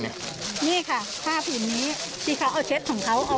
นี่ค่ะผ้าผืนนี้ที่เขาเอาเช็ดของเขา